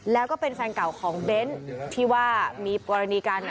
แล้วก็เป็นแฟนเก่าของเบ้นที่ว่ามีกรณีกัน